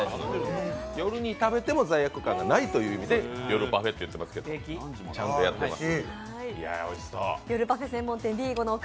夜に食べても罪悪感がないということで夜パフェと言っていますけれども、ちゃんとやっています。